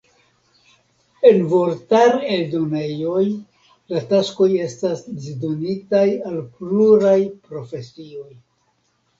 En vortar-eldonejoj la taskoj estas disdonitaj al pluraj profesioj.